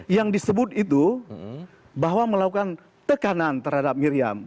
yang disebut itu bahwa melakukan tekanan terhadap miriam